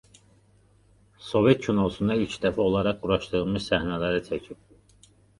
Sovet kinosunda ilk dəfə olaraq quraşdırılmış səhnələri çəkib.